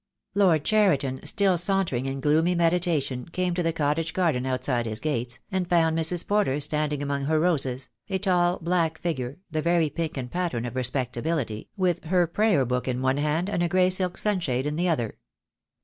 Lord Cheriton, still sauntering in gloomy meditation, came to the cottage garden outside his gates, and found Mrs. Porter standing among her roses, a tall, black figure, the very pink and pattern of respectability, with her prayer book in one hand and a grey silk sunshade in the other.